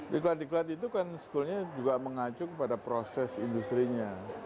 diklat diklat itu kan sebetulnya juga mengacu kepada proses industri nya